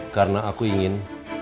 karena aku ingin